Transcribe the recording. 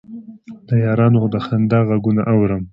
د یارانو د خندا غـږونه اورم